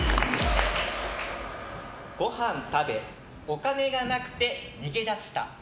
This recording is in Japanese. ごはん食べ、お金が無くて逃げ出した。